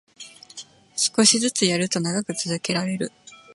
少しずつやると長く続けられる